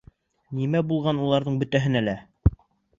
Нимә булған уларҙың бөтәһенә лә?